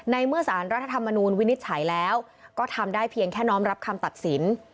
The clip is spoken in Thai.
เมื่อสารรัฐธรรมนูลวินิจฉัยแล้วก็ทำได้เพียงแค่น้อมรับคำตัดสิน